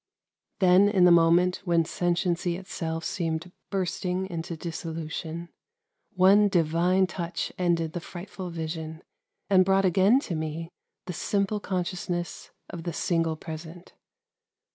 Then in the moment when sentiency itself seemed bursting into dissolution, one divine touch ended the frightful vision, and brought again to me the simple consciousness of the single present.